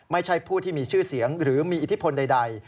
ไม่ใช่ผู้ที่มีชื่อเสียงหรือมีอิทธิพลใด